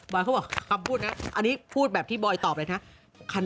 เขาบอกคำพูดนั้นอันนี้พูดแบบที่บอยตอบเลยนะ